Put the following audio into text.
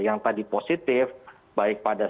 yang tadi positif baik pada